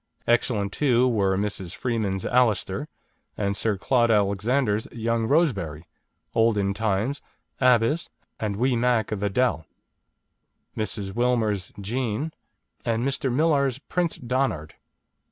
Excellent, too, were Mrs. Freeman's Alister, and Sir Claud Alexander's Young Rosebery, Olden Times, Abbess, and Wee Mac of Adel, Mrs. Wilmer's Jean, and Mr. Millar's Prince Donard.